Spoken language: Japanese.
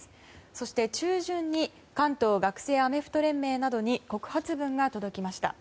そして中旬に関東学生アメフト連盟などに告発文が届きました。